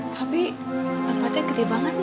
tapi tempatnya gede banget